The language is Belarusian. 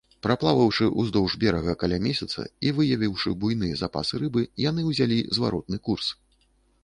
Праплаваўшы ўздоўж берага каля месяца і выявіўшы буйныя запасы рыбы, яны ўзялі зваротны курс.